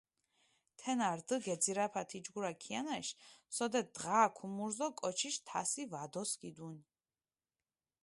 თენა რდჷ გეძირაფა თიჯგურა ქიანაშ, სოდეთ დღა ქუმურს დო კოჩიშ თასი ვადოსქიდუნ.